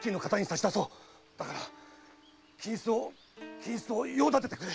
だから金子を金子を用立ててくれ。